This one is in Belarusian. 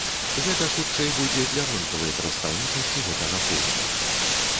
Гэта хутчэй будзе для вонкавай прадстаўнічасці гэтага форума.